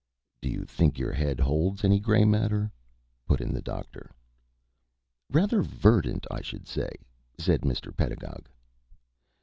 "Do you think your head holds any gray matter?" put in the Doctor. "Rather verdant, I should say," said Mr. Pedagog.